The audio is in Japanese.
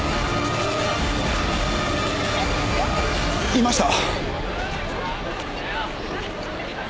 いました！